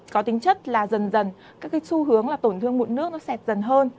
có tính chất là dần dần các cái xu hướng là tổn thương mụn nước nó sẽ dần hơn